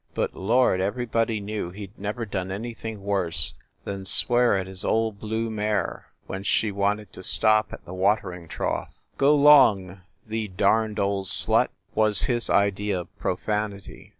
But, lord, everybody knew he d never done anything worse than swear at his old blue mare when she wanted to stop at the watering trough. "Go long, thee darned old slut!" was his idea of profanity.